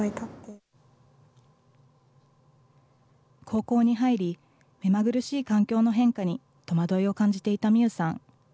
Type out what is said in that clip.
高校に入り、めまぐるしい環境の変化に戸惑いを感じていたみゆさん。